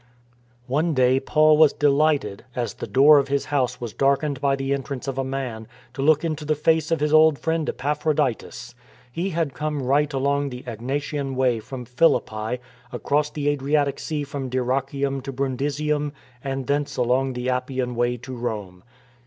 One day Paul was delighted, as the door of his house was darkened by the entrance of a man, to look into the face of his old friend Epaphroditus. He had come right along the Egnatian Way from Philippi, across the Adriatic Sea from Dyrrachium to Brun disium, and thence along the Appian Way to Rome.